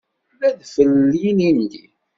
D adfel n yilindi.